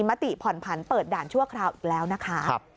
มติผ่อนผันเปิดด่านชั่วคราวอีกแล้วนะคะ